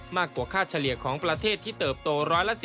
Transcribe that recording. มากกว่าค่าเฉลี่ยของประเทศที่เติบโต๑๑๐